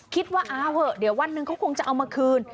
ว่าเอาเหอะเดี๋ยววันหนึ่งเขาคงจะเอามาคืน